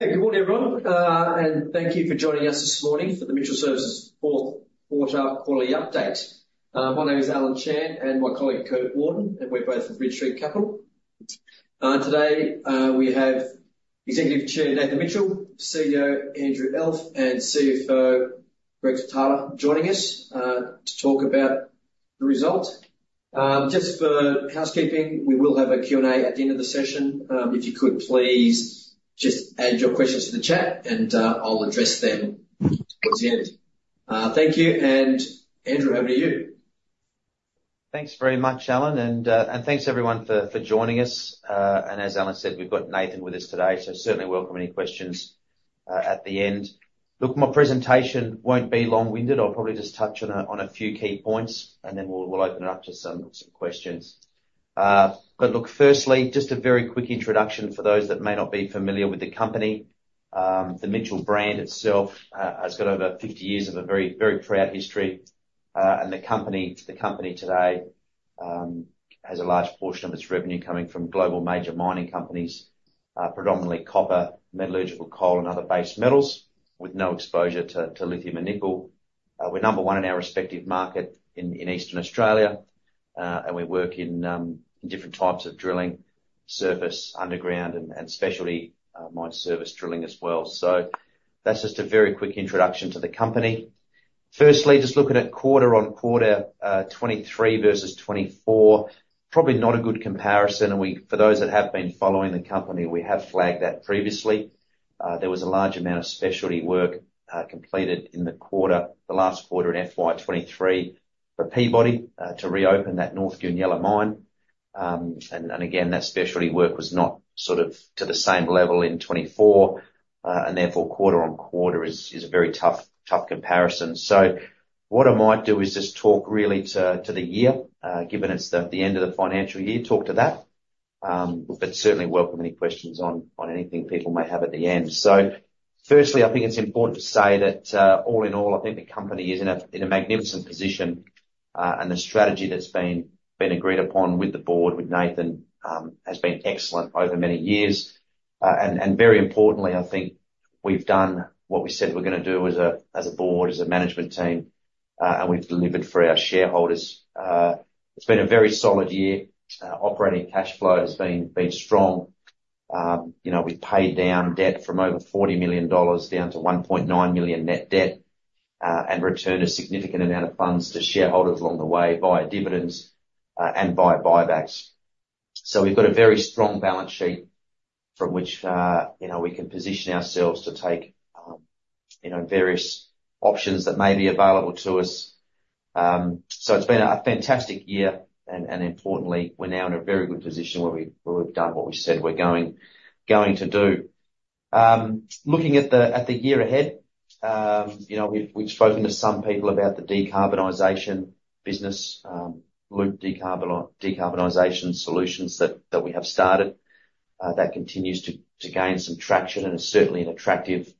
Good morning, everyone, and thank you for joining us this morning for the Mitchell Services fourth quarter quarterly update. My name is Allen Chan, and my colleague, Kurt Worden, and we're both with Bridge Street Capital. Today, we have Executive Chairman, Nathan Mitchell, CEO, Andrew Elf, and CFO, Greg Switala, joining us, to talk about the result. Just for housekeeping, we will have a Q&A at the end of the session. If you could please just add your questions to the chat, and, I'll address them towards the end. Thank you, and Andrew, over to you. Thanks very much, Allen, and thanks everyone for joining us. And as Allen said, we've got Nathan with us today, so certainly welcome any questions at the end. Look, my presentation won't be long-winded. I'll probably just touch on a few key points, and then we'll open it up to some questions. But look, firstly, just a very quick introduction for those that may not be familiar with the company. The Mitchell brand itself has got over 50 years of a very, very proud history. And the company today has a large portion of its revenue coming from global major mining companies, predominantly copper, metallurgical coal, and other base metals, with no exposure to lithium and nickel. We're number one in our respective market in Eastern Australia, and we work in different types of drilling, surface, underground, and specialty mine service drilling as well. So that's just a very quick introduction to the company. Firstly, just looking at quarter-over-quarter, 2023 versus 2024. Probably not a good comparison, and we—for those that have been following the company, we have flagged that previously. There was a large amount of specialty work completed in the quarter, the last quarter in FY 2023, for Peabody to reopen that North Goonyella mine. And again, that specialty work was not sort of to the same level in 2024, and therefore, quarter-over-quarter is a very tough comparison. So what I might do is just talk really to the year, given it's the end of the financial year, talk to that. But certainly welcome any questions on anything people may have at the end. So firstly, I think it's important to say that, all in all, I think the company is in a magnificent position, and the strategy that's been agreed upon with the board, with Nathan, has been excellent over many years. And very importantly, I think we've done what we said we're gonna do as a board, as a management team, and we've delivered for our shareholders. It's been a very solid year. Operating cash flow has been strong. You know, we've paid down debt from over 40 million dollars down to 1.9 million net debt, and returned a significant amount of funds to shareholders along the way, via dividends, and via buybacks. So we've got a very strong balance sheet from which, you know, we can position ourselves to take, you know, various options that may be available to us. So it's been a fantastic year, and importantly, we're now in a very good position where we've done what we said we're going to do. Looking at the year ahead, you know, we've spoken to some people about the decarbonization business, Loop Decarbonisation Solutions that we have started. That continues to gain some traction and is certainly an attractive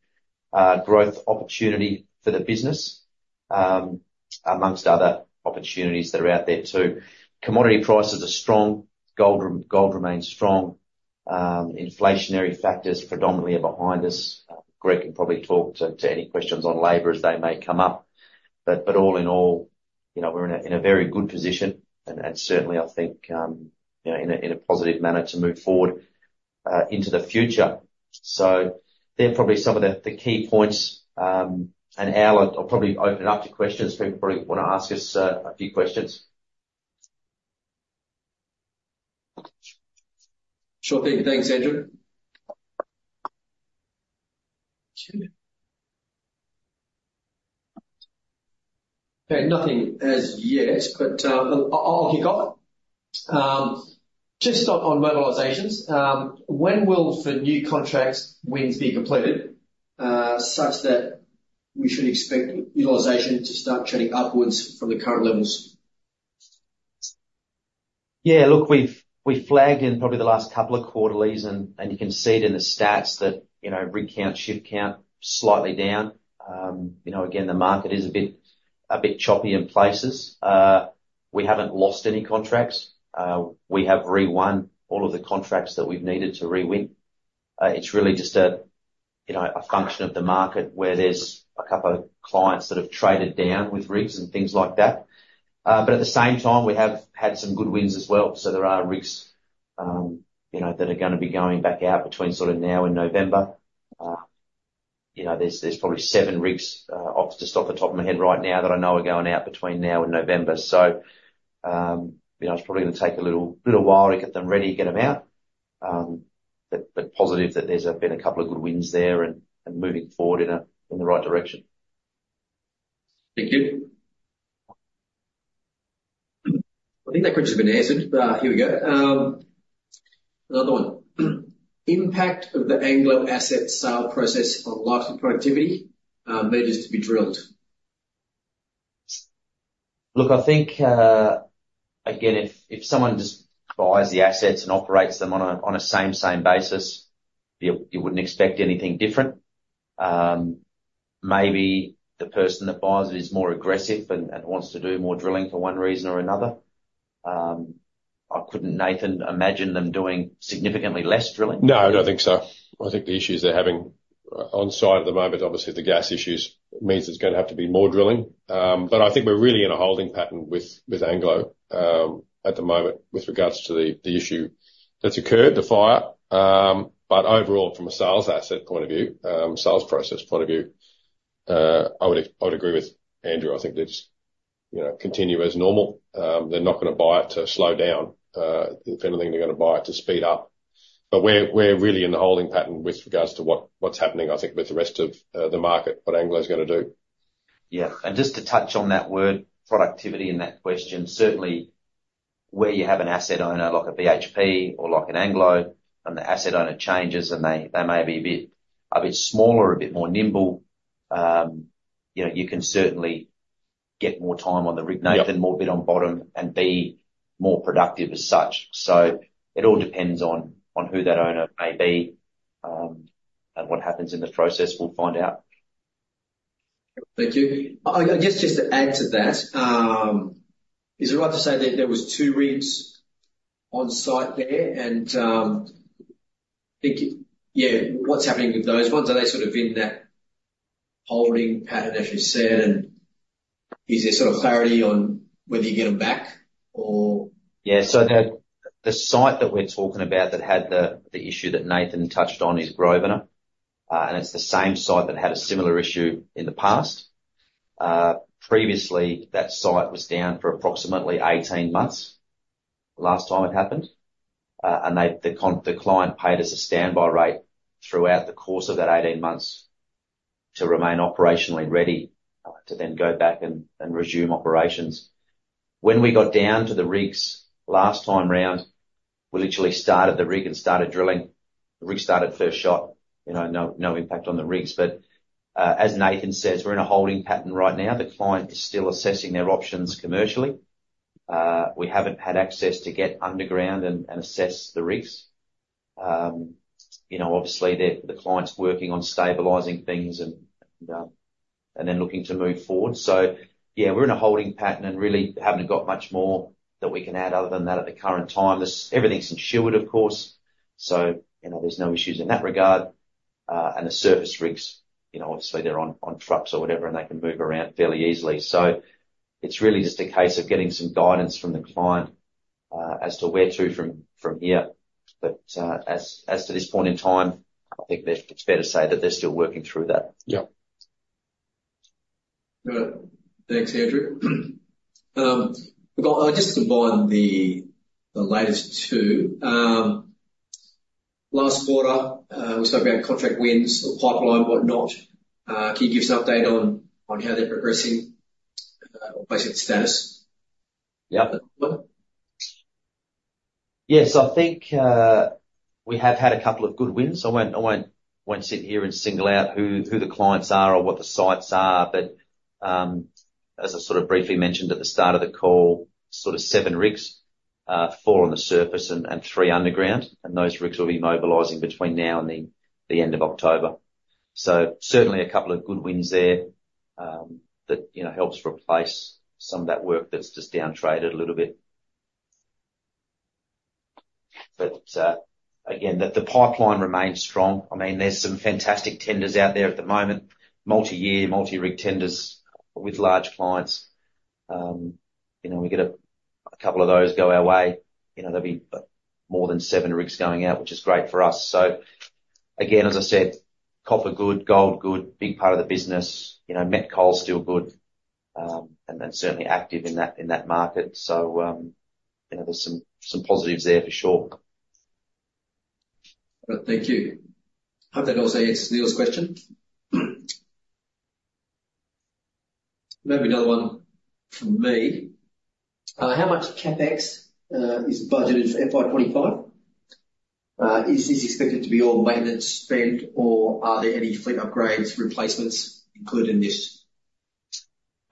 growth opportunity for the business, amongst other opportunities that are out there, too. Commodity prices are strong. Gold remains strong. Inflationary factors predominantly are behind us. Greg can probably talk to any questions on labor as they may come up. But all in all, you know, we're in a very good position, and certainly I think, you know, in a positive manner to move forward into the future. So they're probably some of the key points. And Allen, I'll probably open it up to questions. People probably want to ask us a few questions. Sure thing. Thanks, Andrew. Okay, nothing as yet, but I'll kick off. Just on mobilizations, when will the new contracts wins be completed such that we should expect utilization to start trending upwards from the current levels? Yeah, look, we've flagged in probably the last couple of quarterlies and you can see it in the stats that, you know, rig count, ship count, slightly down. You know, again, the market is a bit choppy in places. We haven't lost any contracts. We have re-won all of the contracts that we've needed to re-win. It's really just a function of the market, where there's a couple of clients that have traded down with rigs and things like that. But at the same time, we have had some good wins as well. So there are rigs, you know, that are gonna be going back out between sort of now and November. You know, there's probably seven rigs off the top of my head right now, that I know are going out between now and November. So, you know, it's probably gonna take a little while to get them ready, get them out. But positive that there's been a couple of good wins there, and moving forward in the right direction. Thank you. I think that question has been answered, but here we go. Another one. "Impact of the Anglo asset sale process on life and productivity needs to be drilled? Look, I think, again, if someone just buys the assets and operates them on a same basis, you wouldn't expect anything different. Maybe the person that buys it is more aggressive and wants to do more drilling for one reason or another. I couldn't, Nathan, imagine them doing significantly less drilling? No, I don't think so. I think the issues they're having, on site at the moment, obviously, the gas issues, means there's gonna have to be more drilling. But I think we're really in a holding pattern with Anglo, at the moment, with regards to the issue that's occurred, the fire. But overall, from a sales asset point of view, sales process point of view, I would agree with Andrew. I think they just, you know, continue as normal. They're not gonna buy it to slow down. If anything, they're gonna buy it to speed up. But we're really in the holding pattern with regards to what's happening, I think, with the rest of the market, what Anglo's gonna do. Yeah. And just to touch on that word, "productivity," in that question, certainly where you have an asset owner, like a BHP or like an Anglo, and the asset owner changes, and they may be a bit smaller or a bit more nimble, you know, you can certainly get more time on the rig, Nathan- Yeah... More bit on bottom and be more productive as such. So it all depends on who that owner may be, and what happens in the process. We'll find out. Thank you. I guess, just to add to that, is it right to say that there was 2 rigs on site there? I think, yeah, what's happening with those ones? Are they sort of in that holding pattern, as you said, and is there sort of clarity on whether you get them back, or? Yeah. So the site that we're talking about that had the issue that Nathan touched on is Grosvenor. And it's the same site that had a similar issue in the past. Previously, that site was down for approximately 18 months, last time it happened. And the client paid us a standby rate throughout the course of that 18 months to remain operationally ready, to then go back and resume operations. When we got down to the rigs last time round, we literally started the rig and started drilling. The rig started first shot, you know, no impact on the rigs. But, as Nathan says, we're in a holding pattern right now. The client is still assessing their options commercially. We haven't had access to get underground and assess the risks. You know, obviously, the client's working on stabilizing things and then looking to move forward. So yeah, we're in a holding pattern, and really haven't got much more that we can add other than that at the current time. Everything's insured, of course, so, you know, there's no issues in that regard. And the surface rigs, you know, obviously, they're on trucks or whatever, and they can move around fairly easily. So it's really just a case of getting some guidance from the client, as to where to from here. But, as to this point in time, I think that it's fair to say that they're still working through that. Yeah. Thanks, Andrew. We've got just to combine the latest two. Last quarter, we spoke about contract wins or pipeline, whatnot. Can you give us an update on how they're progressing or basic status? Yeah. Well... Yes, I think we have had a couple of good wins. I won't sit here and single out who the clients are or what the sites are, but as I sort of briefly mentioned at the start of the call, sort of 7 rigs, 4 on the surface and 3 underground. And those rigs will be mobilizing between now and the end of October. So certainly a couple of good wins there, that you know helps replace some of that work that's just downtraded a little bit. But again, the pipeline remains strong. I mean, there's some fantastic tenders out there at the moment, multi-year, multi-rig tenders with large clients. You know, we get a couple of those go our way, you know, there'll be more than 7 rigs going out, which is great for us. So again, as I said, copper good, gold good, big part of the business. You know, met coal is still good, and then certainly active in that, in that market. So, you know, there's some, some positives there for sure. Thank you. I hope that also answers Neil's question. Maybe another one from me. How much CapEx is budgeted for FY 25? Is this expected to be all maintenance spend, or are there any fleet upgrades, replacements included in this?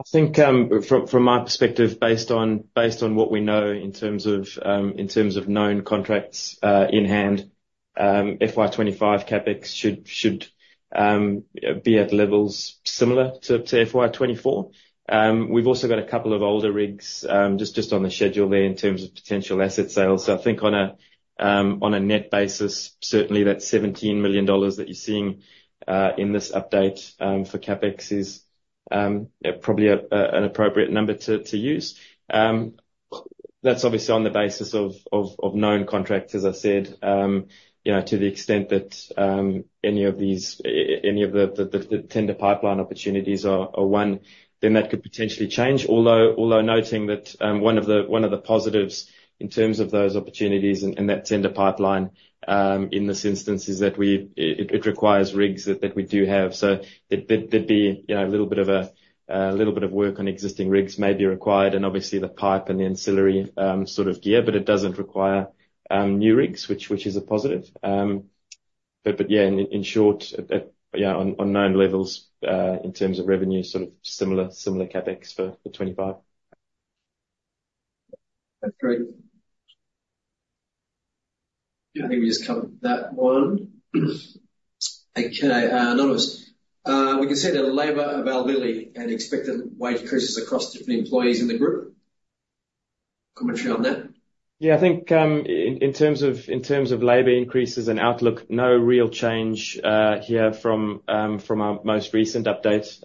I think, from my perspective, based on what we know in terms of known contracts in hand, FY 2025 CapEx should be at levels similar to FY 2024. We've also got a couple of older rigs just on the schedule there in terms of potential asset sales. So I think on a net basis, certainly that 17 million dollars that you're seeing in this update for CapEx is probably an appropriate number to use. That's obviously on the basis of known contracts, as I said. You know, to the extent that any of the tender pipeline opportunities are won, then that could potentially change. Although noting that one of the positives in terms of those opportunities and that tender pipeline in this instance is that it requires rigs that we do have. So there'd be, you know, a little bit of work on existing rigs may be required, and obviously the pipe and the ancillary sort of gear, but it doesn't require new rigs, which is a positive. But yeah, in short, yeah, on known levels in terms of revenue, sort of similar CapEx for 25. That's great.... Yeah, I think we just covered that one. Okay, none of us. We can see the labor availability and expected wage increases across different employees in the group. Commentary on that? Yeah, I think, in terms of labor increases and outlook, no real change here from our most recent update.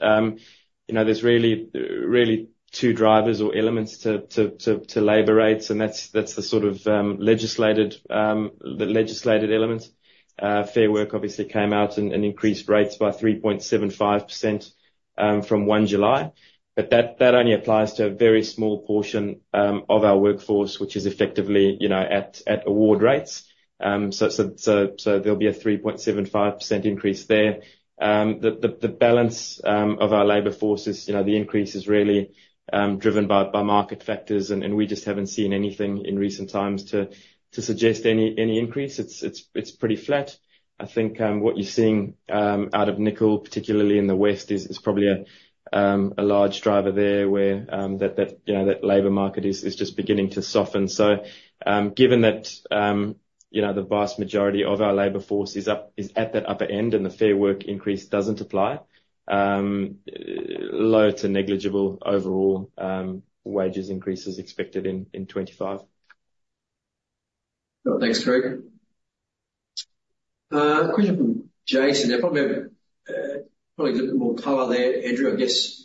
You know, there's really two drivers or elements to labor rates, and that's the sort of legislated element. Fair Work obviously came out and increased rates by 3.75% from 1 July. But that only applies to a very small portion of our workforce, which is effectively, you know, at award rates. So there'll be a 3.75% increase there. The balance of our labor force is, you know, the increase is really driven by market factors, and we just haven't seen anything in recent times to suggest any increase. It's pretty flat. I think what you're seeing out of nickel, particularly in the West, is probably a large driver there, where that you know that labor market is just beginning to soften. So given that you know the vast majority of our labor force is up- is at that upper end, and the Fair Work increase doesn't apply, low to negligible overall wages increase is expected in 2025. Thanks, Greg. Question from Jason. There probably a little bit more color there, Andrew, I guess,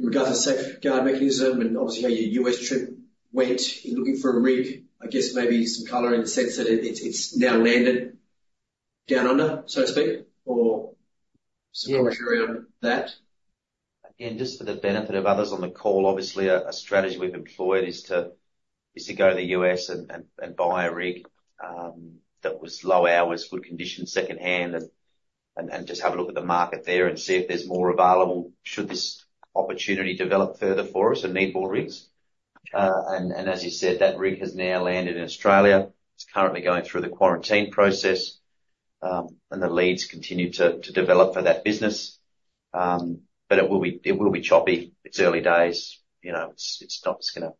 in regards to Safeguard Mechanism and obviously how your U.S. trip went in looking for a rig. I guess maybe some color in the sense that it- it's, it's now landed Down Under, so to speak, or some- Yes. Color around that. And just for the benefit of others on the call, obviously a strategy we've employed is to go to the U.S. and buy a rig that was low hours, good condition, secondhand, and just have a look at the market there and see if there's more available should this opportunity develop further for us and need more rigs. And as you said, that rig has now landed in Australia. It's currently going through the quarantine process, and the leads continue to develop for that business. But it will be choppy. It's early days, you know, it's not just gonna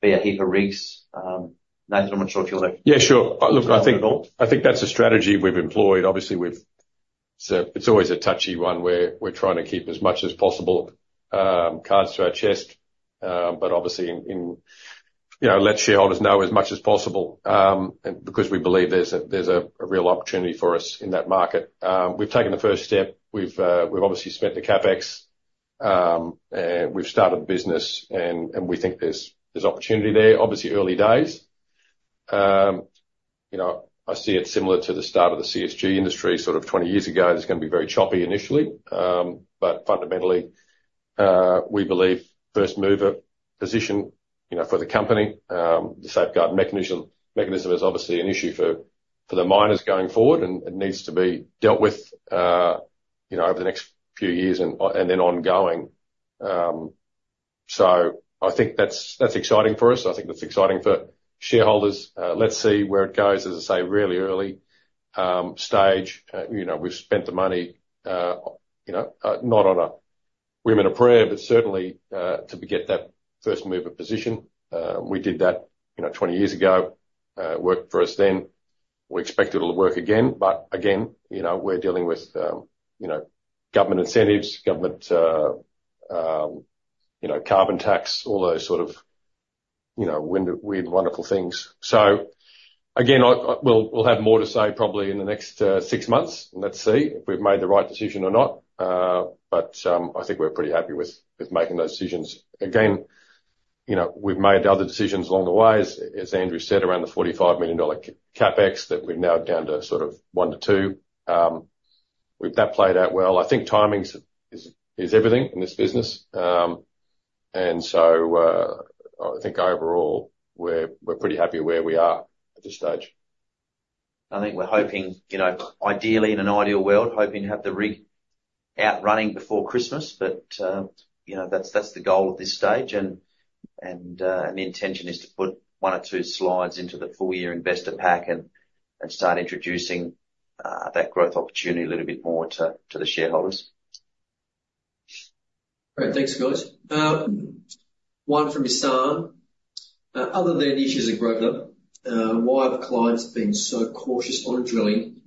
be a heap of rigs. Nathan, I'm not sure if you want to- Yeah, sure. Look, I think that's a strategy we've employed. Obviously, we've. So it's always a touchy one, where we're trying to keep as much as possible cards to our chest. But obviously, you know, let shareholders know as much as possible, and because we believe there's a real opportunity for us in that market. We've taken the first step. We've obviously spent the CapEx, and we've started the business, and we think there's opportunity there. Obviously early days. You know, I see it similar to the start of the CSG industry, sort of 20 years ago. There's gonna be very choppy initially. But fundamentally, we believe first mover position, you know, for the company. The Safeguard Mechanism is obviously an issue for the miners going forward, and it needs to be dealt with, you know, over the next few years and then ongoing. So I think that's exciting for us. I think that's exciting for shareholders. Let's see where it goes. As I say, really early stage. You know, we've spent the money, you know, not on a wing and a prayer, but certainly to beget that first mover position. We did that, you know, 20 years ago. It worked for us then. We expect it'll work again, but again, you know, we're dealing with, you know, government incentives, government, you know, carbon tax, all those sort of, you know, weird, weird, wonderful things. So again, we'll, we'll have more to say probably in the next 6 months. Let's see if we've made the right decision or not. But, I think we're pretty happy with making those decisions. Again, you know, we've made other decisions along the way, as Andrew said, around the 45 million dollar CapEx, that we're now down to sort of 1 million-2 million. We've that played out well. I think timing is everything in this business. And so, I think overall, we're pretty happy where we are at this stage. I think we're hoping, you know, ideally in an ideal world, hoping to have the rig out running before Christmas, but, you know, that's the goal at this stage. And the intention is to put one or two slides into the full year investor pack and start introducing that growth opportunity a little bit more to the shareholders. Great, thanks, guys. One from Ehsan. "Other than issues at Global, why have clients been so cautious on drilling,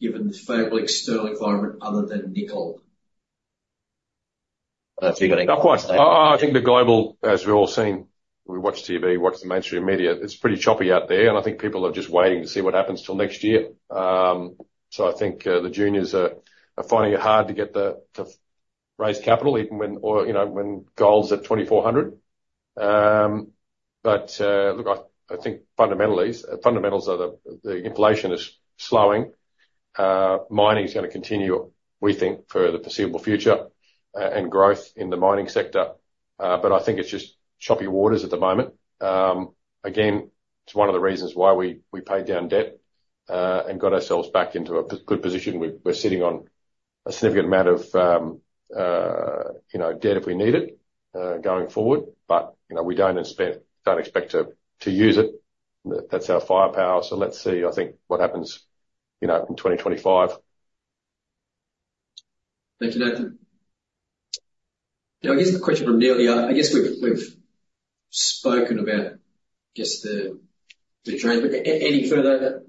given the favorable external environment, other than nickel?" Have you got anything to say? I think the global, as we've all seen, we watch TV, watch the mainstream media, it's pretty choppy out there, and I think people are just waiting to see what happens till next year. So I think the juniors are finding it hard to get the, to raise capital, even when, or, you know, when gold's at $2,400. But look, I think fundamentally, fundamentals are the inflation is slowing. Mining is gonna continue, we think, for the foreseeable future, and growth in the mining sector. But I think it's just choppy waters at the moment. Again, it's one of the reasons why we paid down debt, and got ourselves back into a good position. We're sitting on a significant amount of, you know, debt if we need it, going forward, but, you know, we don't expect to use it. That's our firepower. So let's see, I think, what happens, you know, in 2025.... Thank you, Nathan. Now, I guess the question from earlier. I guess we've spoken about the drainage. But any further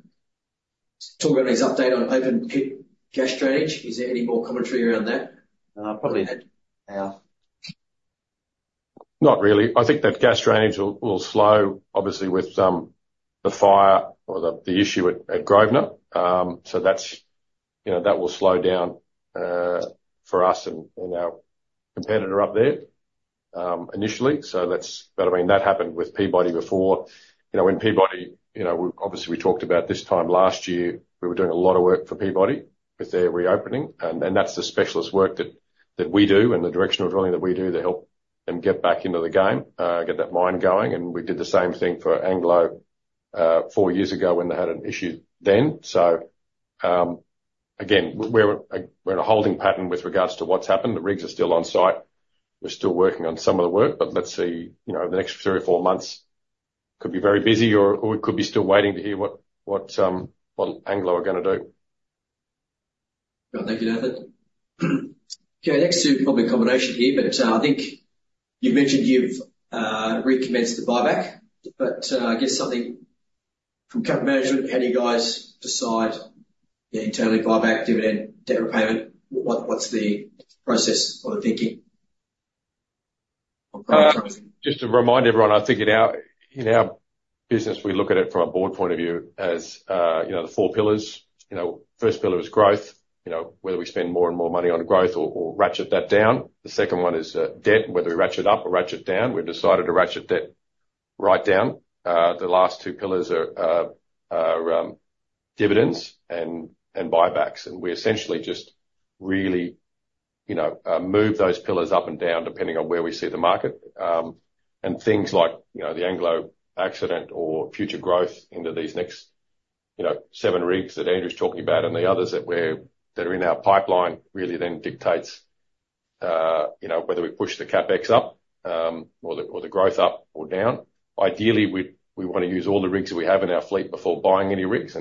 talk on this update on open pit gas drainage? Is there any more commentary around that? Probably, Al / Nat. Not really. I think that gas drainage will slow, obviously with the fire or the issue at Grosvenor. So that's, you know, that will slow down for us and our competitor up there initially. So that's—But I mean, that happened with Peabody before. You know, when Peabody... You know, we obviously we talked about this time last year, we were doing a lot of work for Peabody with their reopening, and that's the specialist work that we do, and the directional drilling that we do to help them get back into the game. Get that mine going, and we did the same thing for Anglo four years ago when they had an issue then. So again, we're in a holding pattern with regards to what's happened. The rigs are still on site. We're still working on some of the work, but let's see, you know, over the next 3 or 4 months could be very busy, or we could be still waiting to hear what Anglo are gonna do. Well, thank you, Nathan. Okay, next two are probably a combination here, but, I think you've mentioned you've recommenced the buyback, but, I guess something from current management, how do you guys decide, yeah, internally, buyback, dividend, debt repayment? What, what's the process or the thinking? Or parameterizing. Just to remind everyone, I think in our business, we look at it from a board point of view as, you know, the four pillars. You know, first pillar is growth. You know, whether we spend more and more money on growth or ratchet that down. The second one is debt, and whether we ratchet up or ratchet down. We've decided to ratchet debt right down. The last two pillars are dividends and buybacks, and we essentially just really, you know, move those pillars up and down, depending on where we see the market. Things like, you know, the Anglo accident or future growth into these next, you know, 7 rigs that Andrew's talking about, and the others that are in our pipeline, really then dictates, you know, whether we push the CapEx up, or the growth up or down. Ideally, we want to use all the rigs that we have in our fleet before buying any rigs.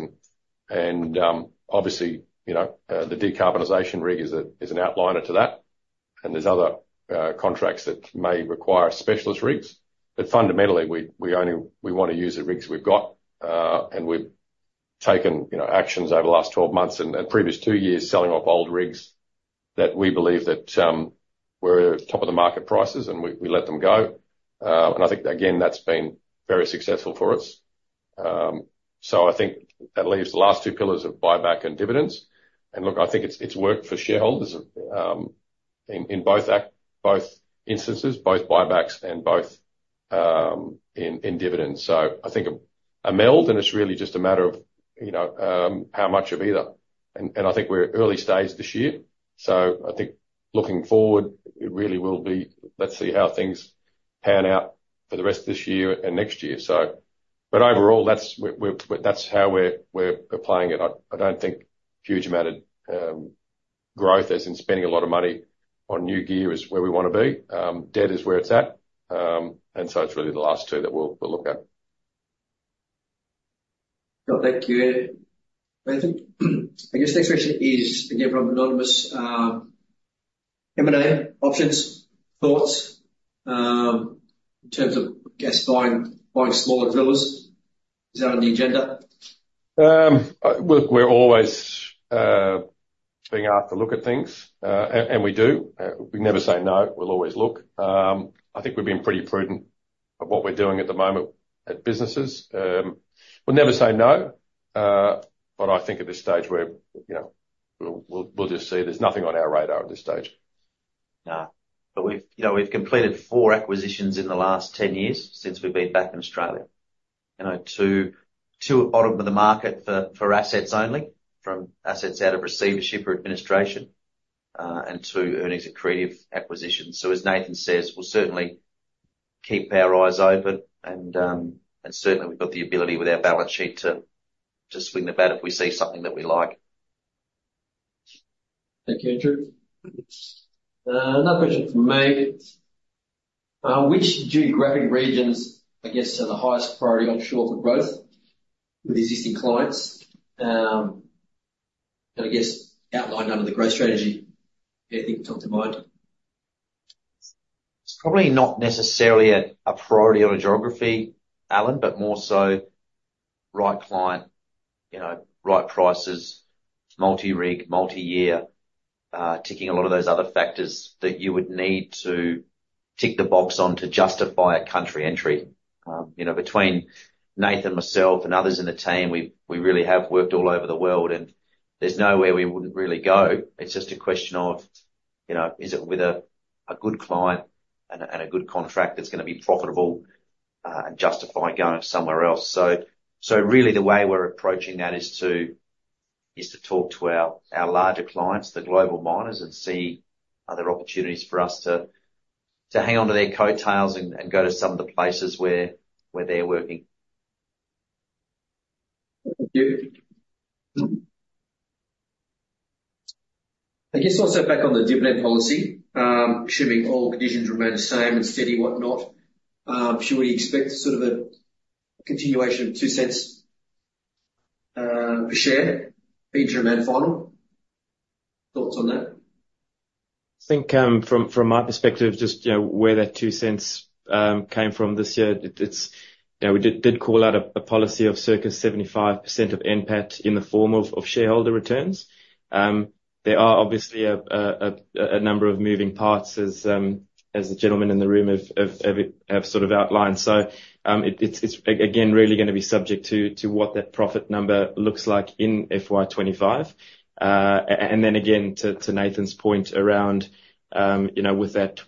Obviously, you know, the decarbonization rig is an outlier to that, and there's other contracts that may require specialist rigs. But fundamentally, we only want to use the rigs we've got, and we've taken, you know, actions over the last 12 months and previous 2 years, selling off old rigs that we believe were top of the market prices, and we let them go. And I think, again, that's been very successful for us. So I think that leaves the last 2 pillars of buyback and dividends. And look, I think it's worked for shareholders, in both instances, both buybacks and both in dividends. So I think a meld, and it's really just a matter of, you know, how much of either. And I think we're early days this year, so I think looking forward, it really will be... Let's see how things pan out for the rest of this year and next year. So, but overall, that's how we're applying it. I don't think huge amount of growth, as in spending a lot of money on new gear, is where we want to be. Debt is where it's at. And so it's really the last two that we'll look at. Well, thank you, Ed. I think, I guess the next question is, again, from Anonymous. M&A options, thoughts, in terms of, I guess, buying smaller drillers. Is that on the agenda? Look, we're always being out to look at things. And we do. We never say no. We'll always look. I think we're being pretty prudent of what we're doing at the moment at businesses. We'll never say no, but I think at this stage we're, you know, we'll just see. There's nothing on our radar at this stage. Nah, but we've, you know, we've completed 4 acquisitions in the last 10 years since we've been back in Australia. You know, 2, 2 bottom of the market for, for assets only, from assets out of receivership or administration. And 2 earnings accretive acquisitions. So as Nathan says, we'll certainly keep our eyes open, and and certainly we've got the ability with our balance sheet to, to swing the bat if we see something that we like. Thank you, Andrew. Another question from me. Which geographic regions, I guess, are the highest priority onshore for growth with existing clients? And I guess outline under the growth strategy, anything come to mind? It's probably not necessarily a priority on a geography, Allen, but more so right client, you know, right prices, it's multi-rig, multi-year, ticking a lot of those other factors that you would need to tick the box on to justify a country entry. You know, between Nathan, myself, and others in the team, we really have worked all over the world, and there's nowhere we wouldn't really go. It's just a question of, you know, is it with a good client and a good contract that's going to be profitable, and justify going somewhere else? So really the way we're approaching that is to talk to our larger clients, the global miners, and see are there opportunities for us to hang on to their coattails and go to some of the places where they're working. Thank you. I guess also back on the dividend policy, assuming all conditions remain the same and steady, whatnot, should we expect sort of a continuation of 0.02... per share, interim and final. Thoughts on that? I think, from my perspective, just, you know, where that 2 cents came from this year, it, it's-- You know, we did call out a policy of circa 75% of NPAT in the form of shareholder returns. There are obviously a number of moving parts as the gentleman in the room have sort of outlined. So, it's again, really gonna be subject to what that profit number looks like in FY 2025. And then again, to Nathan's point around, you know, with that,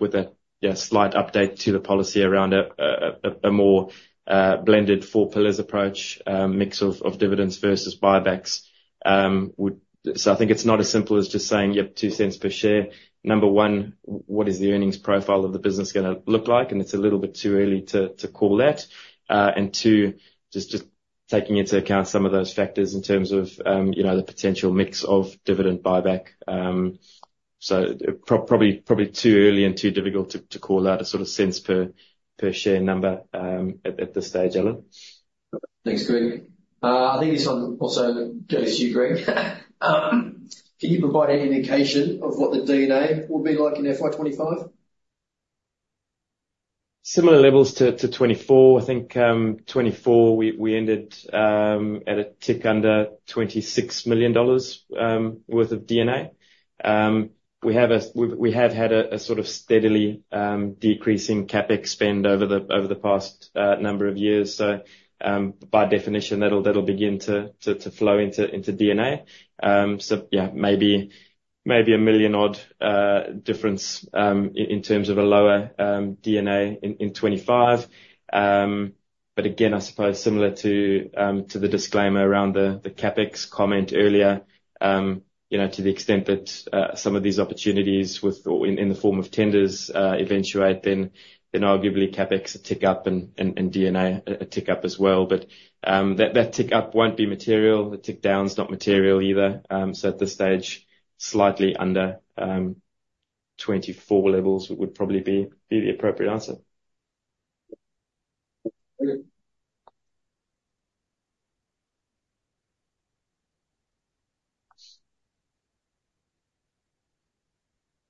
yeah, slight update to the policy around a more blended four pillars approach, mix of dividends versus buybacks. So I think it's not as simple as just saying, "Yep, two cents per share." Number one, what is the earnings profile of the business gonna look like? And it's a little bit too early to call that. And two, just taking into account some of those factors in terms of, you know, the potential mix of dividend buyback. So probably too early and too difficult to call out a sort of cents per share number at this stage, Allen. Thanks, Greg. I think this one also goes to you, Greg. Can you provide any indication of what the D&A will be like in FY 25? Similar levels to 2024. I think, 2024, we ended at a tick under 26 million dollars worth of D&A. We have a—we have had a sort of steadily decreasing CapEx spend over the past number of years. So, by definition, that'll begin to flow into D&A. So yeah, maybe a million odd difference in terms of a lower D&A in 2025. But again, I suppose similar to the disclaimer around the CapEx comment earlier. You know, to the extent that some of these opportunities with or in the form of tenders eventuate, then arguably CapEx tick up and D&A tick up as well. But that tick up won't be material. The tick down is not material either. So at this stage, slightly under 24 levels would probably be the appropriate answer.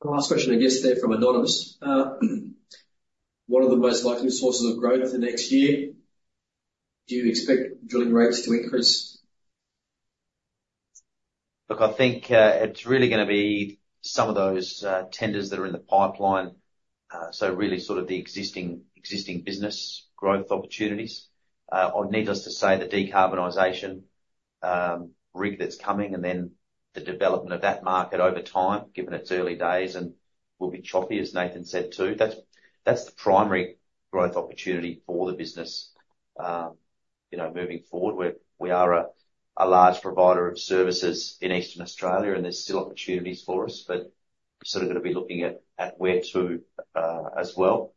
Last question, I guess they're from anonymous. What are the most likely sources of growth the next year? Do you expect drilling rates to increase? Look, I think, it's really gonna be some of those, tenders that are in the pipeline. So really sort of the existing, existing business growth opportunities. Or needless to say, the decarbonization, rig that's coming, and then the development of that market over time, given its early days, and will be choppy, as Nathan said, too. That's, that's the primary growth opportunity for the business. You know, moving forward, we're-- we are a, a large provider of services in Eastern Australia, and there's still opportunities for us, but sort of going to be looking at, at where to, as well.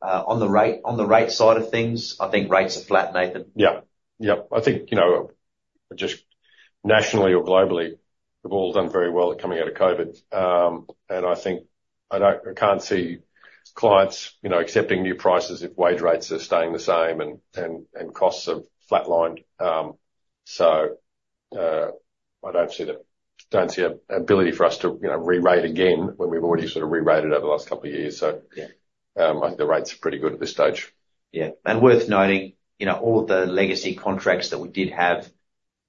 On the rate, on the rate side of things, I think rates are flat, Nathan? Yeah. Yep. I think, you know, just nationally or globally, we've all done very well at coming out of COVID. And I think, I don't... I can't see clients, you know, accepting new prices if wage rates are staying the same and costs have flatlined. So, I don't see, don't see an ability for us to, you know, rerate again, when we've already sort of rerated over the last couple of years. So- Yeah. I think the rates are pretty good at this stage. Yeah, and worth noting, you know, all the legacy contracts that we did have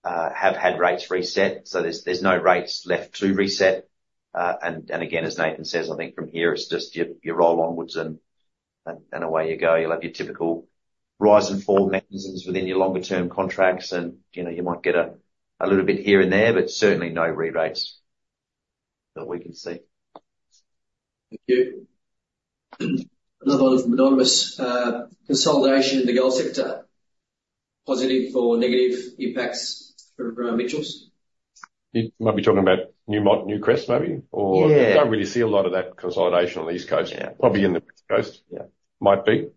have had rates reset, so there's no rates left to reset. And again, as Nathan says, I think from here it's just you roll onwards and away you go. You'll have your typical rise and fall mechanisms within your longer term contracts, and, you know, you might get a little bit here and there, but certainly no rerates that we can see. Thank you. Another one from anonymous. Consolidation in the gold sector, positive or negative impacts from Mitchell Services? You might be talking about Newmont Newcrest, maybe, or? Yeah. Don't really see a lot of that consolidation on the East Coast. Yeah. Probably in the West Coast. Yeah. Might be,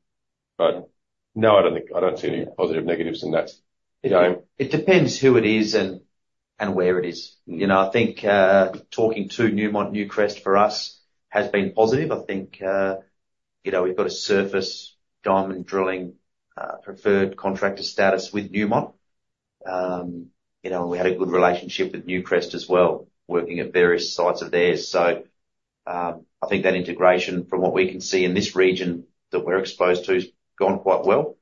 but no, I don't think... I don't see any positive negatives in that domain. It depends who it is and where it is. Mm. You know, I think, talking to Newmont Newcrest, for us, has been positive. I think, you know, we've got a surface diamond drilling preferred contractor status with Newmont. You know, we had a good relationship with Newcrest as well, working at various sites of theirs. So, I think that integration, from what we can see in this region that we're exposed to, has gone quite well,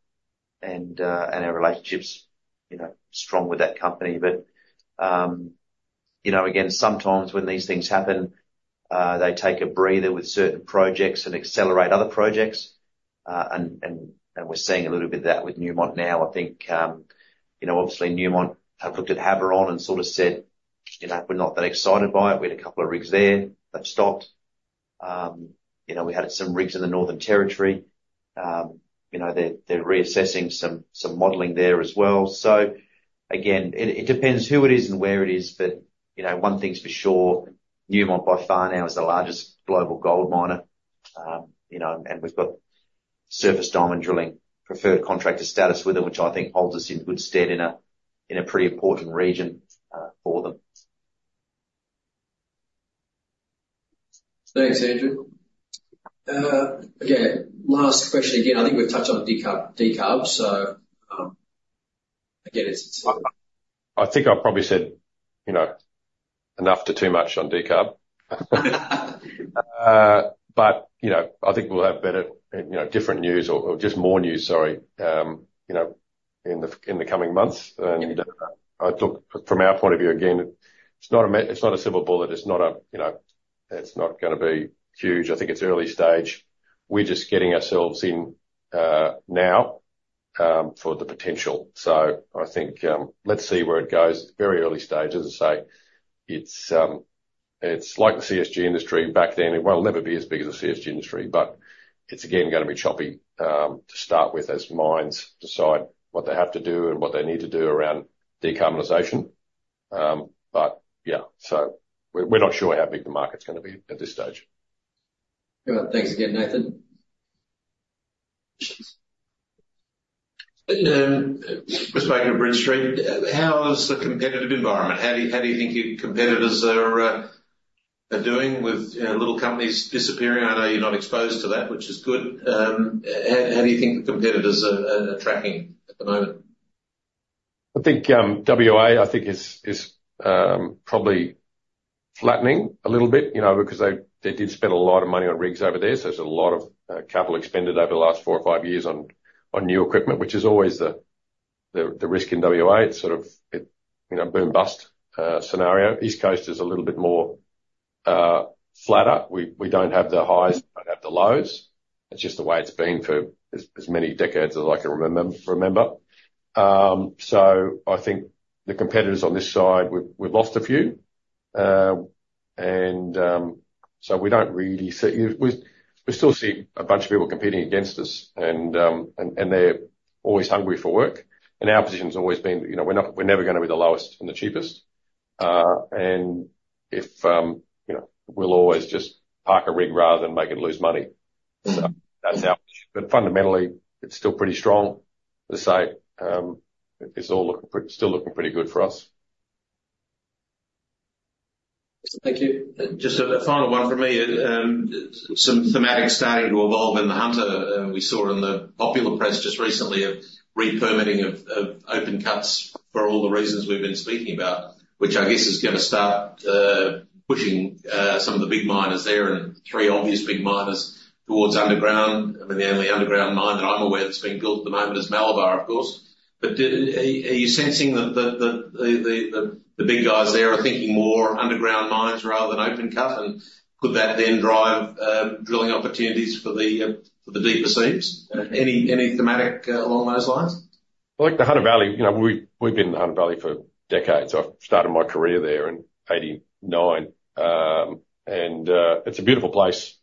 and our relationship's, you know, strong with that company. But, you know, again, sometimes when these things happen, they take a breather with certain projects and accelerate other projects. And we're seeing a little bit of that with Newmont now. I think, you know, obviously Newmont have looked at Havieron and sort of said, "You know, we're not that excited by it." We had a couple of rigs there that stopped. You know, we had some rigs in the Northern Territory. You know, they're reassessing some modeling there as well. So again, it depends who it is and where it is, but, you know, one thing's for sure, Newmont by far now is the largest global gold miner. You know, and we've got surface diamond drilling, preferred contractor status with them, which I think holds us in good stead in a pretty important region for them. ... Thanks, Andrew. Again, last question again, I think we've touched on decarb, decarb, so, again, it's- I think I probably said, you know, enough to too much on decarb. But, you know, I think we'll have better, you know, different news or, or just more news, sorry, you know, in the, in the coming months. And, I look from our point of view, again, it's not a silver bullet. It's not a, you know, it's not gonna be huge. I think it's early stage. We're just getting ourselves in, now, for the potential. So I think, let's see where it goes. Very early stages, as I say, it's, it's like the CSG industry back then. It will never be as big as the CSG industry, but it's again, gonna be choppy, to start with, as mines decide what they have to do and what they need to do around decarbonization. But yeah, so we're not sure how big the market's gonna be at this stage. All right. Thanks again, Nathan. Just back on Bridge Street, how is the competitive environment? How do you think your competitors are doing with, you know, little companies disappearing? I know you're not exposed to that, which is good. How do you think the competitors are tracking at the moment? I think, WA, I think is probably flattening a little bit, you know, because they did spend a lot of money on rigs over there, so there's a lot of capital expended over the last four or five years on new equipment, which is always the risk in WA. It's sort of, you know, boom bust scenario. East Coast is a little bit more flatter. We don't have the highs, we don't have the lows. It's just the way it's been for as many decades as I can remember. So I think the competitors on this side, we've lost a few. And so we don't really see—We still see a bunch of people competing against us, and they're always hungry for work. Our position's always been, you know, we're never gonna be the lowest and the cheapest. You know, we'll always just park a rig rather than make it lose money. Mm-hmm. So that's our... but fundamentally, it's still pretty strong. As I say, it's all looking, still looking pretty good for us. Thank you. Just a final one from me. Some thematics starting to evolve in the Hunter. We saw in the popular press just recently, a re-permitting of open cuts for all the reasons we've been speaking about, which I guess is gonna start pushing some of the big miners there, and three obvious big miners towards underground. I mean, the only underground mine that I'm aware that's being built at the moment is Malabar, of course. But are you sensing that the big guys there are thinking more underground mines rather than open cut? And could that then drive drilling opportunities for the deeper seams? Any thematic along those lines? Well, like the Hunter Valley, you know, we've been in the Hunter Valley for decades. I started my career there in 1989. It's a beautiful place,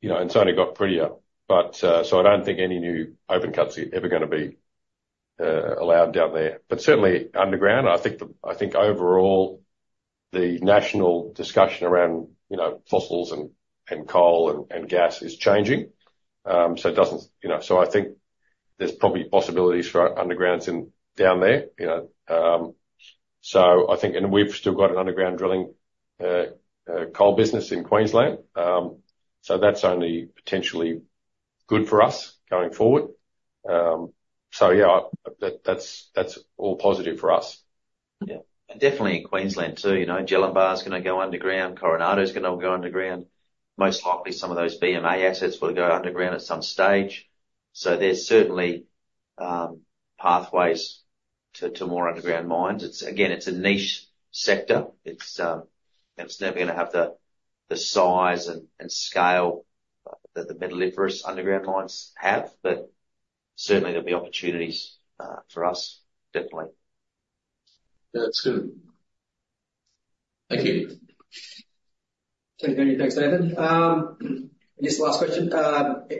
you know, and it's only got prettier. But, so I don't think any new open cuts are ever gonna be allowed down there. But certainly underground, I think overall the national discussion around, you know, fossils and coal and gas is changing. So it doesn't, you know... So I think there's probably possibilities for undergrounds down there, you know. So I think, and we've still got an underground drilling coal business in Queensland. So that's only potentially good for us going forward. So yeah, that's all positive for us. Yeah, and definitely in Queensland too, you know, Jellinbah's gonna go underground, Coronado's gonna go underground. Most likely, some of those BMA assets will go underground at some stage. So there's certainly pathways to more underground mines. It's, again, it's a niche sector. It's, it's never gonna have the size and scale that the Metalliferous underground mines have, but certainly there'll be opportunities for us, definitely. That's good. Thank you. Thank you. Thanks, Nathan. I guess the last question,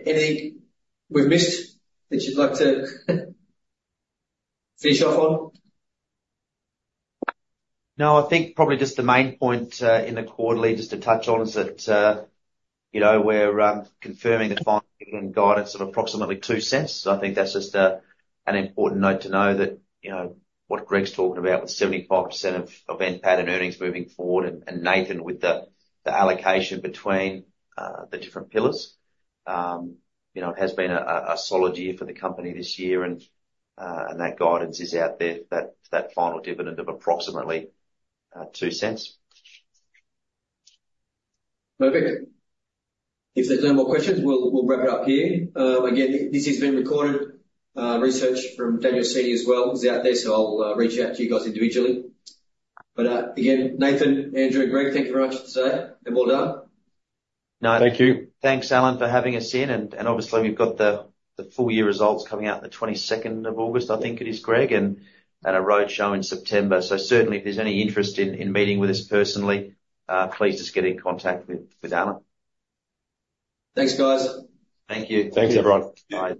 anything we've missed that you'd like to finish off on? No, I think probably just the main point, in the quarterly, just to touch on, is that, you know, we're confirming the final guidance of approximately 0.02. I think that's just an important note to know that, you know, what Greg's talking about, with 75% of NPAT and earnings moving forward, and Nathan with the allocation between the different pillars. You know, it has been a solid year for the company this year, and that guidance is out there, that final dividend of approximately 0.02. Perfect. If there's no more questions, we'll wrap it up here. Again, this is being recorded. Research from Daniel at Citi as well is out there, so I'll reach out to you guys individually. But again, Nathan, Andrew, and Greg, thank you very much for today, and well done. Thank you. Thanks, Allen, for having us in, and obviously you've got the full year results coming out the 22nd of August, I think it is, Greg, and a road show in September. So certainly, if there's any interest in meeting with us personally, please just get in contact with Allen. Thanks, guys. Thank you. Thanks, everyone. Bye.